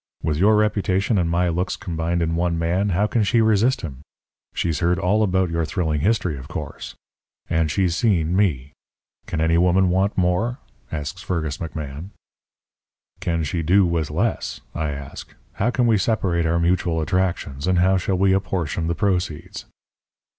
With your reputation and my looks combined in one man, how can she resist him? She's heard all about your thrilling history, of course. And she's seen me. Can any woman want more?' asks Fergus McMahan. "'Can she do with less?' I ask. 'How can we separate our mutual attractions, and how shall we apportion the proceeds?'